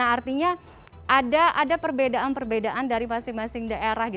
artinya ada perbedaan perbedaan dari masing masing daerah